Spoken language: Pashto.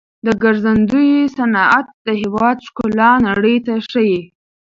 د ګرځندوی صنعت د هیواد ښکلا نړۍ ته ښيي.